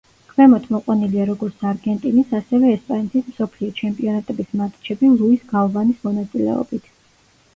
ქვემოთ მოყვანილია როგორც არგენტინის, ასევე, ესპანეთის მსოფლიო ჩემპიონატების მატჩები ლუის გალვანის მონაწილეობით.